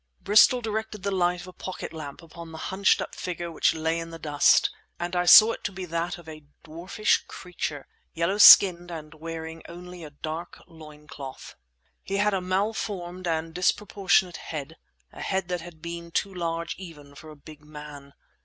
Bristol directed the light of a pocket lamp upon the hunched up figure which lay in the dust, and I saw it to be that of a dwarfish creature, yellow skinned and wearing only a dark loin cloth. He had a malformed and disproportionate head, a head that had been too large even for a big man.